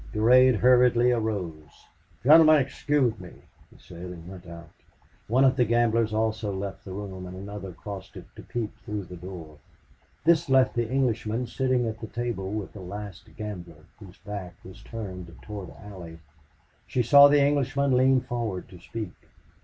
Durade hurriedly arose. "Gentlemen, excuse me," he said, and went out. One of the gamblers also left the room, and another crossed it to peep through the door. This left the Englishman sitting at the table with the last gambler, whose back was turned toward Allie. She saw the Englishman lean forward to speak.